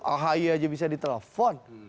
ahay aja bisa ditelepon